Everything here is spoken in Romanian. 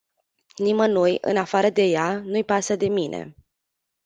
Nimănui, în afară de ea, nu-i pasă de mine.